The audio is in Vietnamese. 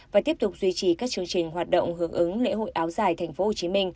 và tiếp tục duy trì các chương trình hoạt động hưởng ứng lễ hội áo dài tp hcm